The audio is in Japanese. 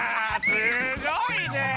すごいね！